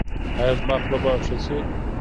ایا زما خوله به ښه شي؟